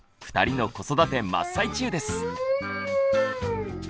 ２人の子育て真っ最中です。